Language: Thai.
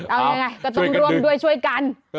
เอายังไงก็ต้องร่วมด้วยช่วยกัน